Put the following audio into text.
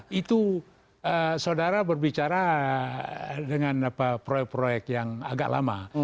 nah itu saudara berbicara dengan proyek proyek yang agak lama